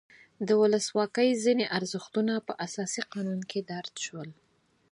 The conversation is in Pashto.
د ولسواکۍ ځینې ارزښتونه په اساسي قانون کې درج شول.